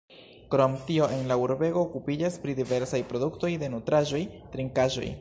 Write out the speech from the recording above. Krom tio en la urbego okupiĝas pri diversaj produktoj de nutraĵoj, trinkaĵoj.